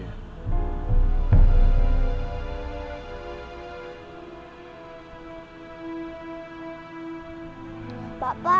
ya tapi dia juga nggak ada feeling